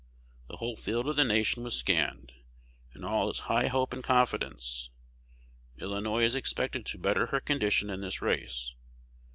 The whole field of the nation was scanned; and all is high hope and confidence. Illinois is expected to better her condition in this race.